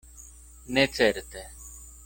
Ne certe.